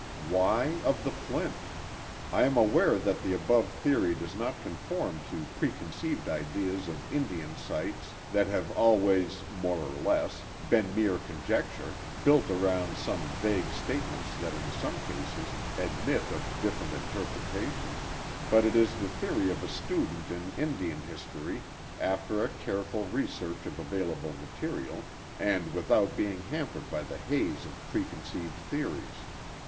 Why •• of the flint ?" lam aware that the above theory does not conform to pre conceived ideas of Indian sites that have always, more or less, been mere conjecture, built around some vague statements that in some cases admit of different interpretation; but it is the theory of a student in Indian history, after a careful re search of available material, and without being hampered by the haze of preconceived theories.